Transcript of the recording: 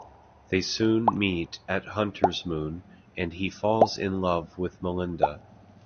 They soon meet at Huntersmoon, and he falls in love with Melinda.